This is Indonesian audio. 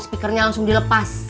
speakernya langsung dilepas